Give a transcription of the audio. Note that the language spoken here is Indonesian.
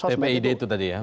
tpi itu tadi ya